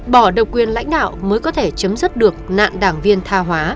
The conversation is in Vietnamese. bỏ độc quyền lãnh đạo mới có thể chấm dứt được nạn đảng viên tha hóa